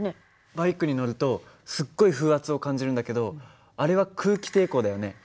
バイクに乗るとすっごい風圧を感じるんだけどあれは空気抵抗だよね。